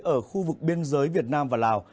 ở khu vực biên giới việt nam và lào